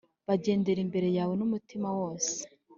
bagendera imbere yawe n’umutima wose